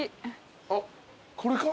あっこれか？